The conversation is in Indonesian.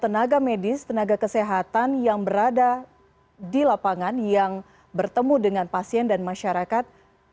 tenaga medis tenaga kesehatan yang berada di lapangan yang bertemu dengan pasien dan masyarakat